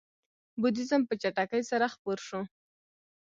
بودیزم په چټکۍ سره خپور شو.